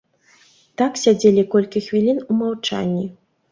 Так сядзелі колькі хвілін у маўчанні.